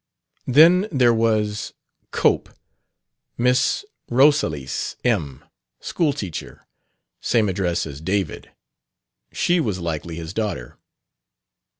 Then there was "Cope, Miss Rosalys M., schooltchr," same address as "David": she was likely his daughter.